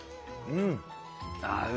うん！